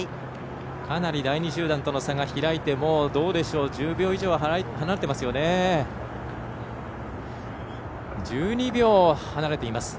かなり第２集団との差が開いて１０秒以上離れていますね。